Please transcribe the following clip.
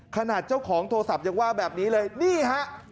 ขนาดเจ้าของโทรศัพท์ยังว่าแบบนี้เลยนี่ฮะ